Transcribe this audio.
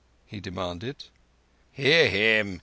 he demanded. "Hear him!